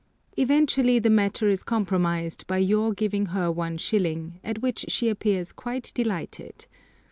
Eventually the matter is compromised by your giving her 1s., at which she appears quite delighted.